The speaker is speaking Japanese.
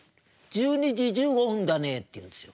「１２時１５分だね」って言うんですよ。